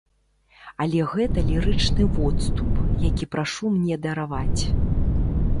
Але гэта лірычны водступ, які прашу мне дараваць.